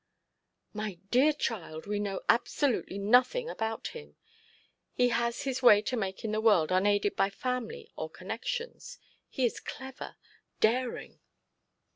'My dear child, we know absolutely nothing about him. He has his way to make in the world unaided by family or connections. He is clever daring.